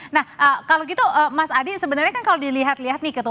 nah kalau gitu mas adi sebenarnya kan kalau dilihat lihat nih